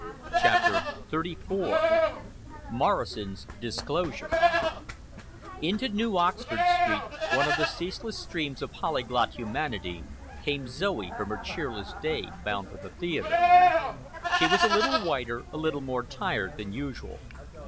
CHAPTER XXXIV MORRISON'S DISCLOSURE Into New Oxford Street, one of the ceaseless streams of polyglot humanity, came Zoe from her cheerless day bound for the theatre. She was a little whiter, a little more tired than usual.